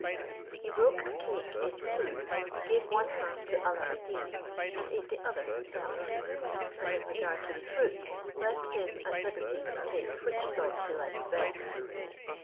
He broke a cake in two, gave one half to Alla ad Deen, and ate the other himself; and in regard to the fruit, left him at liberty to take which sort he liked best.